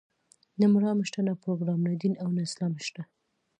نه مرام شته، نه پروګرام، نه دین او نه اسلام شته.